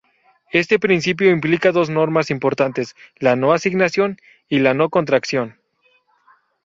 Este principio implica dos normas importantes: la no asignación y la no contracción.